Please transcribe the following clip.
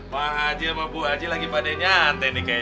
pak haji sama bu aji lagi pada nyantai nih kayaknya